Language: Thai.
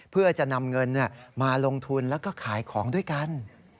เพื่อจะนำเงินมาลงทุนแล้วก็ขายของด้วยกัน